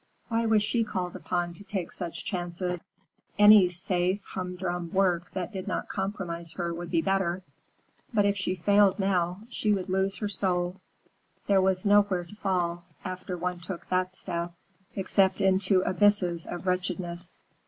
Why was she called upon to take such chances? Any safe, humdrum work that did not compromise her would be better. But if she failed now, she would lose her soul. There was nowhere to fall, after one took that step, except into abysses of wretchedness.